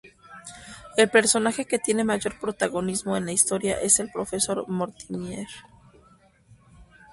El personaje que tiene mayor protagonismo en la historia es el profesor Mortimer.